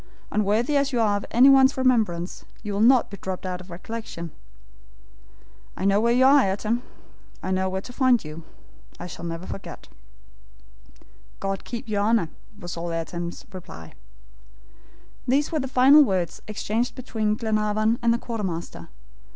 Unworthy as you are of anyone's remembrance, you will not be dropped out of recollection. I know where you are, Ayrton; I know where to find you I shall never forget." "God keep your Honor," was all Ayrton's reply. These were the final words exchanged between Glenarvan and the quartermaster.